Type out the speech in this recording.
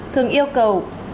thường yêu cầu